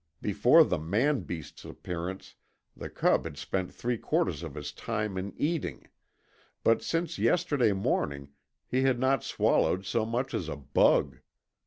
Before the man beast's appearance the cub had spent three quarters of his time in eating, but since yesterday morning he had not swallowed so much as a bug.